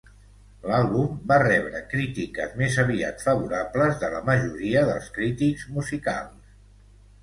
L'àlbum va rebre crítiques més aviat favorables de la majoria dels crítics musicals.